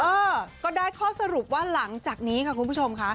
เออก็ได้ข้อสรุปว่าหลังจากนี้ค่ะคุณผู้ชมค่ะ